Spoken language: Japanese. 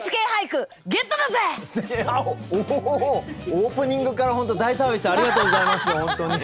オープニングから本当大サービスありがとうございます。